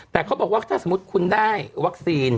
แต่เขาบอกว่าถ้าสมมุติคุณได้วัคซีน